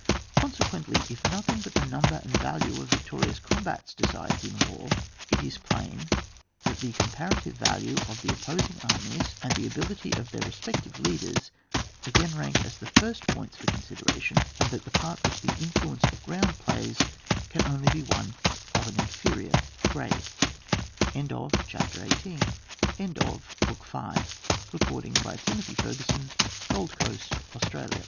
Consequently, if nothing but the number and value of victorious combats decides in war, it is plain that the com parative value of the opposing armies and ability of their respective leaders again rank as the first points for con sideration, and that the part which the influence of ground plays can only be one of an inferior grade. 67 BOOK VL DEFENCK CHAPTER I. OFFENCE AND DEFENCE. 1. — Conception of Defence* What is defenc